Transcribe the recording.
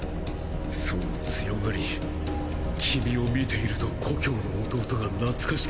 その強がり君を見ていると故郷の弟が懐かしくなる。